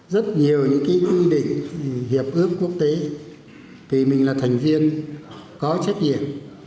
rất nhiều những cái quy định hiệp ước quốc tế vì mình là thành viên có trách nhiệm